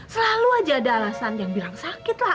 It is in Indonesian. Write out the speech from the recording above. selalu aja ada alasan yang bilang sakit lah